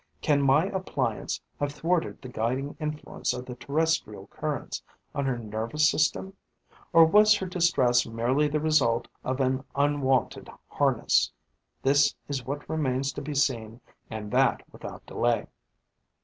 Can my appliance have thwarted the guiding influence of the terrestrial currents on her nervous system? Or was her distress merely the result of an unwonted harness? This is what remains to be seen and that without delay.